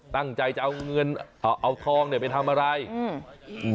ตั้งใจจะเอาเงินเอาทองเนี้ยไปทำอะไรอืม